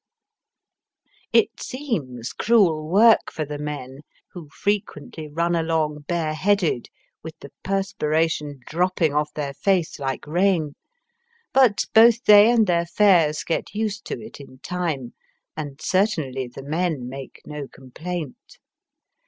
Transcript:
It seems cruel work for the men, who frequently run along bareheaded, with the per spiration dropping off their face like rain ; but both they and their fares get used to it in time, and certainly the men make no com plaint.